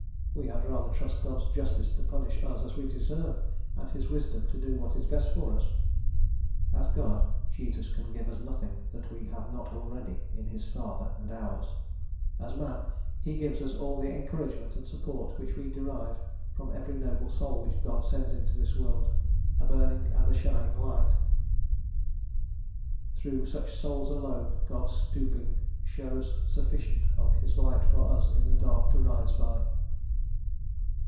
we had rather trust God's justice to punish us as we deserve, and his wisdom to do what is best for us. As God, Jesus can give us nothing that we have not already in his Father and ours: as man, he gives us all the encouragement and support which we derive from every noble soul which God sends into this world, "a burning and a shining light": "Through such souls alone God stooping shows sufficient of His light For us in the dark to rise by."